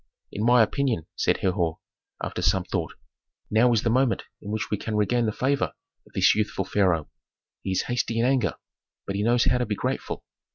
"In my opinion," said Herhor, after some thought, "now is the moment in which we can regain the favor of this youthful pharaoh. He is hasty in anger, but he knows how to be grateful.